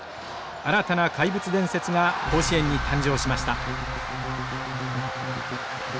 新たな怪物伝説が甲子園に誕生しました。